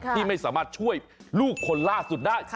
ที่ไม่สามารถช่วยลูกคนล่าสุดได้